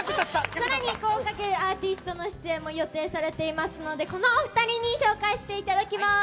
さらに豪華アーティストの出演も予定されていますので、このお２人に紹介していただきます。